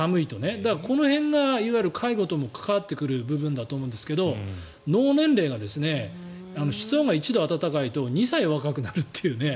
だからこの辺がいわゆる介護とも関わってくる部分だと思うんですけど脳年齢が室温が１度暖かいと２歳若くなるという。